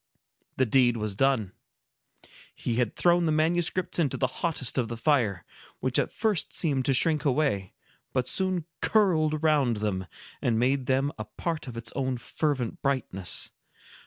The deed was done. He had thrown the manuscripts into the hottest of the fire, which at first seemed to shrink away, but soon curled around them, and made them a part of its own fervent brightness.